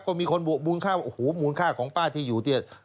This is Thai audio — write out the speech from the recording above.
ก็มีคนบอกมูลค่าของป้าที่อยู่ที่